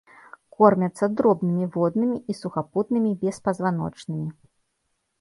Кормяцца дробнымі воднымі і сухапутнымі беспазваночнымі.